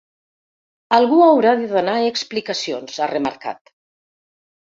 Algú haurà de donar explicacions, ha remarcat.